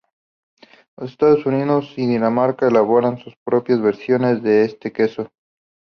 Los Estados Unidos y Dinamarca elaboran sus propias versiones de este queso.